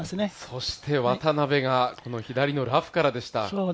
そして渡邉がこの左のラフからでした。